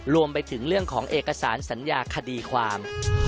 รวมไปถึงเรื่องของเอกสารสัญญาคดีความ